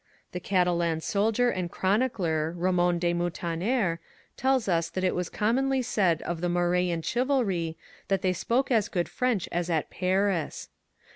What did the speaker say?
The Catalan soldier and chronicler Ramon de Muntaner tells us that it was commonly said of the Morean chivalry that they spoke as good French as at Paris.